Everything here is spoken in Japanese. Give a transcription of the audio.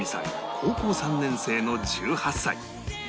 高校３年生の１８歳